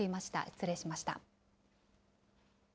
失礼しました。